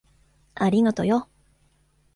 ありがとよ。